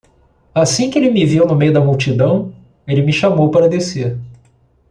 Assim que ele me viu no meio da multidão? ele me chamou para descer.